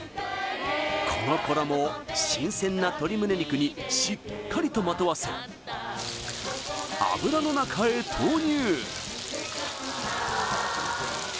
この衣を新鮮な鶏むね肉にしっかりとまとわせ油の中へ投入